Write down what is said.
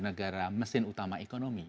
negara mesin utama ekonomi